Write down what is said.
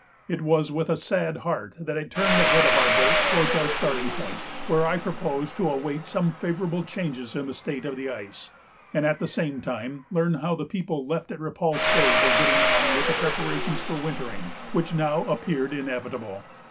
It was with a sad heart that I turned the head of our boat towards our starting point, where I purposed to await some favourable change in the state of the ice, and at the same time learn how the people left at Repulse Bay were getting on with preparations for wintering, which now appeared inevitable.